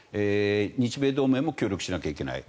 日米同盟も協力しないといけない。